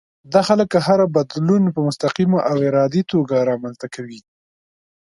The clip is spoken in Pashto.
دا خلک هر بدلون په مستقيمه او ارادي توګه رامنځته کوي.